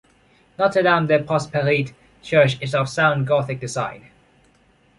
Notre-Dame-de-Prospérité church is of southern gothic design..